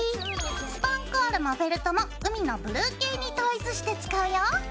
スパンコールもフェルトも海のブルー系に統一して使うよ。